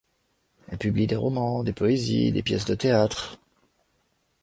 Elle publie des romans, des poésies, des pièces de théâtre.